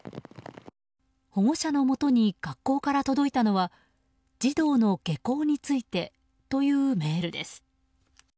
保護者のもとに学校から届いたのは児童の下校についてというメールです。